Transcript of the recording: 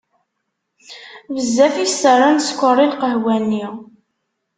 Bezzaf i s-terra n sskeṛ i lqahwa-nni.